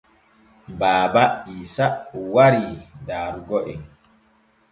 Baaba Iisa warii daarugo en.